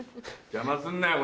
邪魔すんなよ